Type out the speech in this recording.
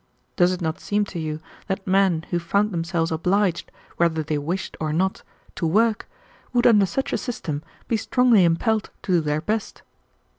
Does it not seem to you that men who found themselves obliged, whether they wished or not, to work, would under such a system be strongly impelled to do their best?"